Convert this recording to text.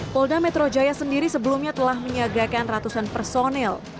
polda metro jaya sendiri sebelumnya telah menyegarkan ratusan personil